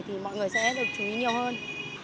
thì mọi người sẽ được chú ý nhiều hơn